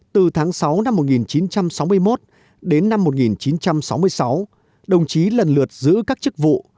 từ tháng sáu năm một nghìn chín trăm sáu mươi một đến năm một nghìn chín trăm sáu mươi sáu đồng chí lần lượt giữ các chức vụ